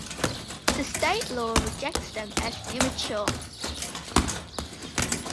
The state law rejects them as immature.